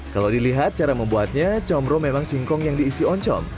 kalau dilihat cara membuatnya comro memang singkong yang diisi oncom